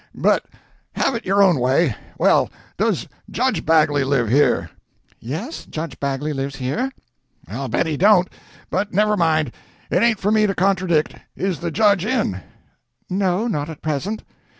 But have it your own way. Well, does Judge Bagley live here?" "Yes, Judge Bagley lives here." "I'll bet he don't. But never mind—it ain't for me to contradict. Is the Judge in?" "No, not at present."